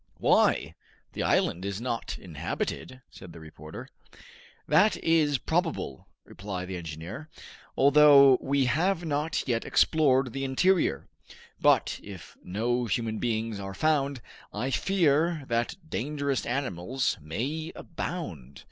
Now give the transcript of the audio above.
"Why? The island is not inhabited," said the reporter. "That is probable," replied the engineer, "although we have not yet explored the interior; but if no human beings are found, I fear that dangerous animals may abound.